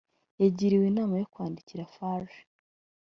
yagiriwe inama yo kwandikira farg